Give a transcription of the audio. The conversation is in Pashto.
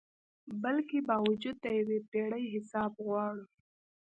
بلکي باوجود د یو پیړۍ حساب غواړو